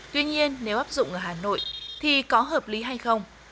tuy nhiên nếu áp dụng ở hà nội thì có hợp lý hay không